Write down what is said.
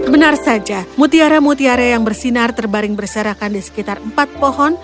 benar saja mutiara mutiara yang bersinar terbaring berserakan di sekitar empat pohon